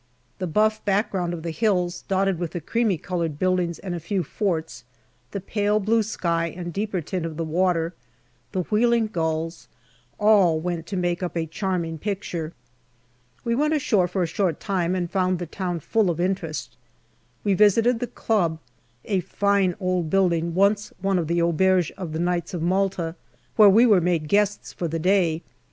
The buff background of the hills, dotted with the creamy coloured buildings and a few forts, the pale blue sky and deeper tint of the water, the wheeling gulls, all went to make up a charming picture. We went ashore for a short time and found the town full of interest. We visited the Club, a fine old building, once one of the auberges of the Knights of Malta, where we were made guests for the day.